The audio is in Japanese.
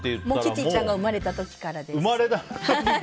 キティちゃんが生まれた時からです。